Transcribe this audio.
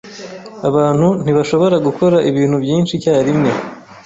Abantu ntibashobora gukora ibintu byinshi icyarimwe.